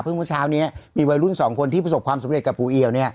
เมื่อเช้านี้มีวัยรุ่น๒คนที่ประสบความสำเร็จกับปูเอียว